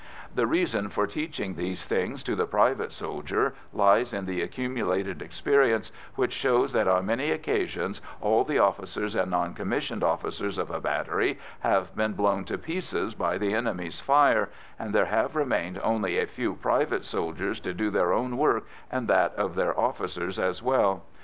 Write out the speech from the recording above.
The reason for teaching these things to the private soldier lies in the accumulated experience which shows that on many occasions all the officers and non commissioned officers of a battery have been blown to pieces by the enemy's fire, and there have remained only a few private soldiers to do their own work and that of their officers as well.